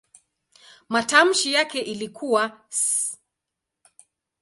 Matamshi yake ilikuwa "s".